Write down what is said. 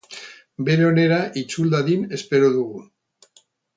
Bere onera itzul dadin espero dugu.